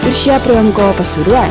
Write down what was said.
rizya priyanko pasuruan